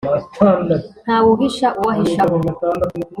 Ntawe uhisha uwo ahishaho.